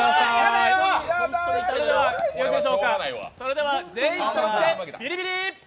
それでは全員そろってビリビリ！